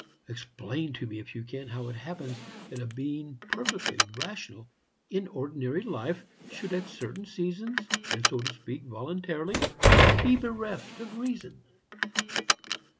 Explain to me, if you can, how it happens that a being perfectly rational in ordinary life should at certain seasons, and, so to speak, voluntarily, be bereft of reason.